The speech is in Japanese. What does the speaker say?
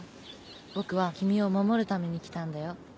僕は君を守るために来たんだよ